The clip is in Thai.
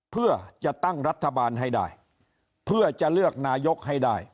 เพื่อจะตั้งรัฐบาลให้ได้เพื่อจะเลือกนายกให้ได้